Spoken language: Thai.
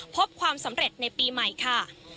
พบความสำเร็จในปีใหม่ค่ะ